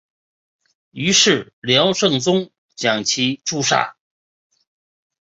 于是辽圣宗将其诛杀。